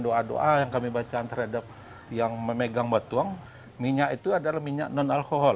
doa doa yang kami baca terhadap yang memegang batuang minyak itu adalah minyak non alkohol